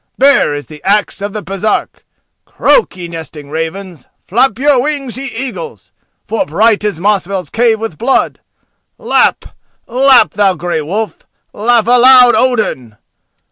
Bare is the axe of the Baresark! Croak, ye nesting ravens; Flap your wings, ye eagles, For bright is Mosfell's cave with blood! Lap! lap! thou Grey Wolf, Laugh aloud, Odin!